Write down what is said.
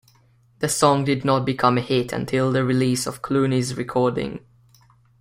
The song did not become a hit until the release of Clooney's recording.